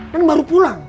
dan baru pulang